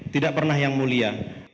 tidak pernah yang mulia